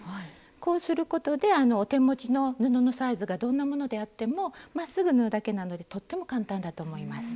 こうすることでお手持ちの布のサイズがどんなものであってもまっすぐ縫うだけなのでとっても簡単だと思います。